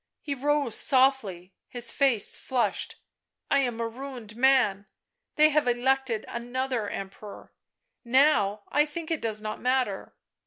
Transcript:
He rose softly, his face flushed. " I am a ruined man. They have elected another Emperor. Now I think it does not matter."